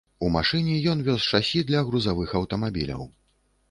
У машыне ён вёз шасі для грузавых аўтамабіляў.